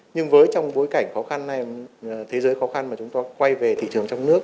nhưng với trong bối cảnh khó khăn này thế giới khó khăn mà chúng ta quay về thị trường trong nước